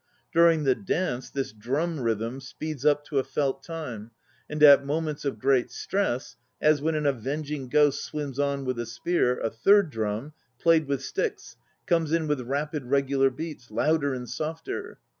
During the dance this drum rhythm speeds up to a felt time, and at moments teat stress, as when an avenging ghost swims on with a spear, a third drum, played with sticks, comes in with rapid regular beats, louder and softer.